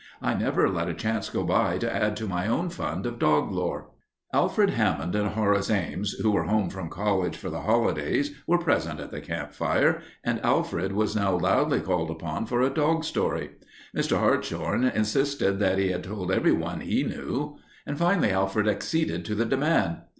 I never let a chance go by to add to my own fund of dog lore." Alfred Hammond and Horace Ames, who were home from college for the holidays, were present at the campfire, and Alfred was now loudly called upon for a dog story, Mr. Hartshorn insisting that he had told every one he knew. Finally Alfred acceded to the demand.